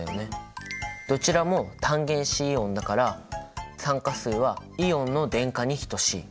どちらも単原子イオンだから酸化数はイオンの電荷に等しい。